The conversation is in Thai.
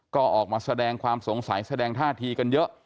ก็ออกมาแสดงความสงสัยแสดงท่าทีกันเยอะ